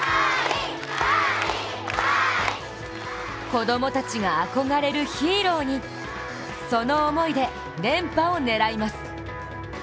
子供たちが憧れるヒーローに、その思いで連覇を狙います。